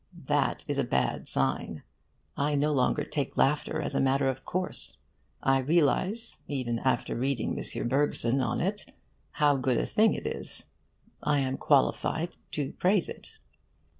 That is a bad sign. I no longer take laughter as a matter of course. I realise, even after reading M. Bergson on it, how good a thing it is. I am qualified to praise it.